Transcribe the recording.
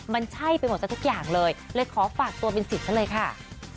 มันใช่ไปหมดซะทุกอย่างเลยเลยขอฝากตัวเป็นสิทธิ์ซะเลยค่ะ